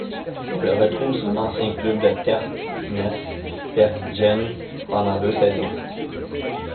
Elle retrouve son ancien club de Tertnes Bergen pendant deux saisons.